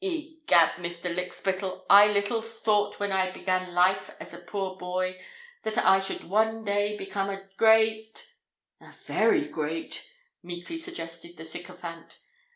Egad! Mr. Lykspittal, I little thought when I began life as a poor boy, that I should one day become a great——" "A very great," meekly suggested the sycophant.